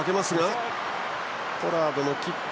ポラードのキック。